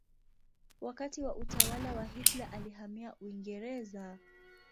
Wakati wa utawala wa Hitler alihamia Uingereza.